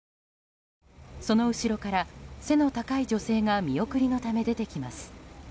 その後ろから背の高い女性が見送りのため出てきます。